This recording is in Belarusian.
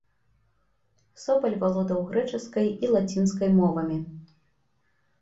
Собаль валодаў грэчаскай і лацінскай мовамі.